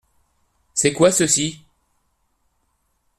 C’est quoi ceux-ci ?